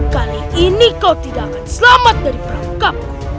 kali ini kau tidak akan selamat dari perahu